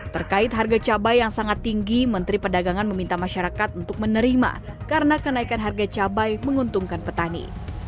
terkait harga cabai yang sangat tinggi menteri perdagangan meminta masyarakat untuk menerima karena kenaikan harga cabai menguntungkan petani